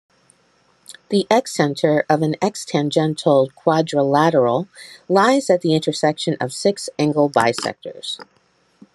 The excenter of an ex-tangential quadrilateral lies at the intersection of six angle bisectors.